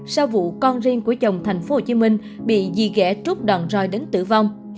sau vụ con riêng của chồng thành phố hồ chí minh bị dì ghẻ trút đòn roi đến tử vong